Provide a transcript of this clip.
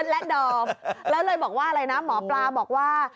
และดอมแล้วเลยบอกว่าอะไรนะหมอปลาบอกว่า